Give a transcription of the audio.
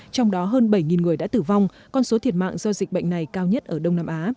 trong đó hơn bảy người đã tử vong con số thiệt mạng do dịch bệnh này cao nhất ở đông nam á